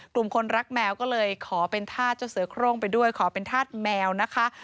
คนรักแมวก็เลยขอเป็นธาตุเจ้าเสือโครงไปด้วยขอเป็นธาตุแมวนะคะ